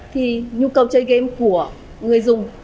thì nhu cầu chơi game của người dùng